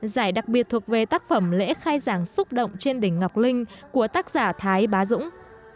giải đặc biệt thuộc về tác phẩm lễ khai giảng xúc động trên đỉnh ngọc linh của tác giả thái bá dũng